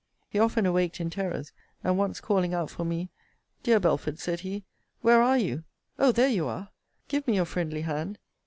He often awaked in terrors; and once calling out for me, Dear Belford, said he, Where are you! Oh! There you are! Give me your friendly hand!